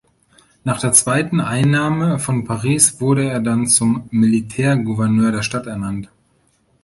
Nach der zweiten Einnahme von Paris wurde er dann zum Militärgouverneur der Stadt ernannt.